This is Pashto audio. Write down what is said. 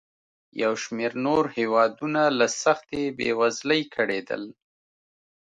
یو شمېر نور هېوادونه له سختې بېوزلۍ کړېدل.